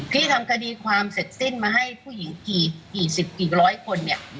ที่ทำคดีความเสร็จสิ้นมาให้ผู้หญิงกี่สิบกี่ร้อยคนเนี่ย